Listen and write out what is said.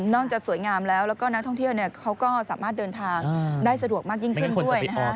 จะสวยงามแล้วแล้วก็นักท่องเที่ยวเขาก็สามารถเดินทางได้สะดวกมากยิ่งขึ้นด้วย